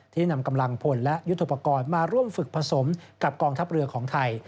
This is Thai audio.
นำกำลังพลและยุทธปกรณ์มาร่วมฝึกผสมกับกองทัพเรือของไทย